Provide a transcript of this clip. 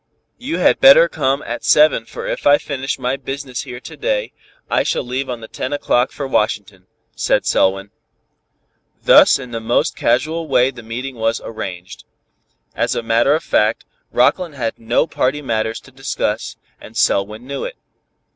"You had better come at seven for if I finish my business here to day, I shall leave on the 10 o'clock for Washington," said Selwyn. Thus in the most casual way the meeting was arranged. As a matter of fact, Rockland had no party matters to discuss, and Selwyn knew it.